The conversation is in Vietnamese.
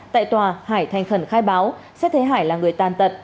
tại tòa hải thành khẩn khai báo xét thấy hải là người tàn tật